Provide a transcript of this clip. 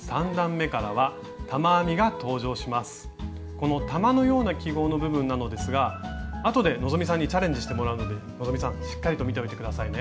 この玉のような記号の部分なのですがあとで希さんにチャレンジしてもらうので希さんしっかりと見ておいて下さいね。